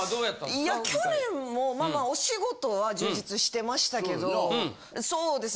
いや去年もまあまあお仕事は充実してましたけどそうですね